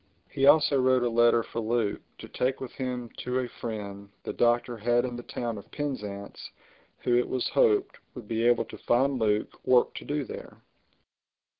He also wrote a letter for Luke to take with him to a friend the Doctor had in the town of Penzance who, it was hoped, would be able to find Luke work to do there.